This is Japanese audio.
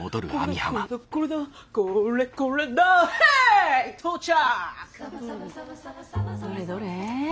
どれどれ？